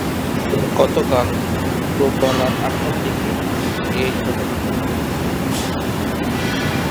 গতকাল রোববার রাত আটটার দিকে এ ঘটনা ঘটে।